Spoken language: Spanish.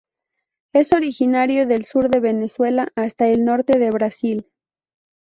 Es originario del sur de Venezuela hasta el norte de Brasil.